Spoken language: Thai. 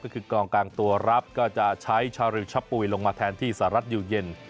ก็คือกองกลางตัวรับก็จะใช้ชาริวชะปุ๋ยลงมาแทนที่สหรัฐอยู่เย็น